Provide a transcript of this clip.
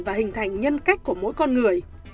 và hình thành nhân cách của mỗi con người